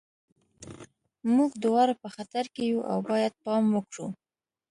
موږ دواړه په خطر کې یو او باید پام وکړو